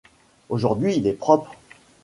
Aujourd'hui, il est propre.